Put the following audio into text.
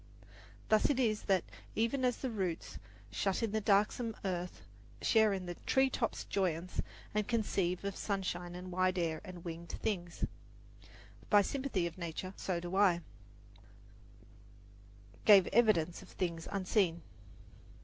Thus it is that Even as the roots, shut in the darksome earth, Share in the tree top's joyance, and conceive Of sunshine and wide air and wingéd things, By sympathy of nature, so do I have evidence of things unseen.